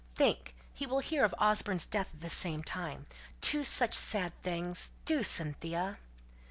Think! he will hear of Osborne's death at the same time two such sad things! Do, Cynthia!"